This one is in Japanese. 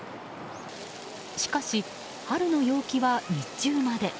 しかし、春の陽気は日中まで。